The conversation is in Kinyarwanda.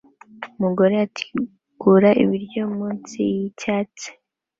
Umugore ategura ibiryo munsi yicyatsi